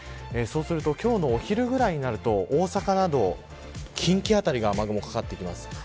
今日のお昼ぐらいになると大阪など近畿辺りが雨雲かかってきます。